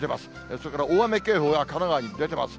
それから大雨警報が神奈川に出てます。